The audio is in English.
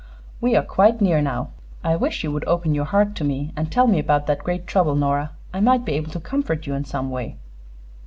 "We are quite near, now. I wish you would open your heart to me, and tell me about that great trouble, Nora. I might be able to comfort you in some way."